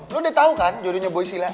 lu udah tau kan jodohnya boy syla